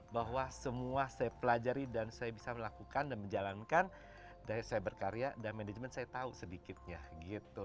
bahwa semua saya pelajari dan saya bisa melakukan dan menjalankan dari saya berkarya dan manajemen saya tahu sedikitnya gitu